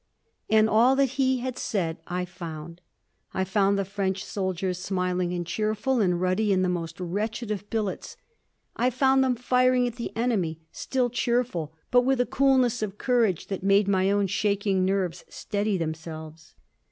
And all that he had said, I found. I found the French soldiers smiling and cheerful and ruddy in the most wretched of billets. I found them firing at the enemy, still cheerful, but with a coolness of courage that made my own shaking nerves steady themselves.